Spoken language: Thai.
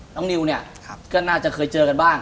วันนี้ก็หลายถึงไหนนะคะ